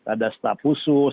ada staf khusus